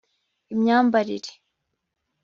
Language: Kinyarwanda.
imyambarire